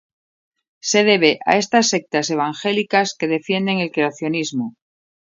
se debe a estas sectas evangélicas que defienden el creacionismo